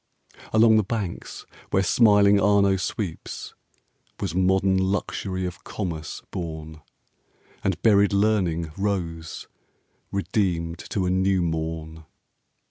Along the banks where smiling Arno sweeps Was modern Luxury of Commerce born, And buried Learning rose, redeemed to a new morn.